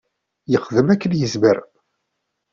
Yexdem akken yezmer.